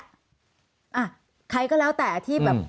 อ่ะใครก็แล้วแต่ที่แบบ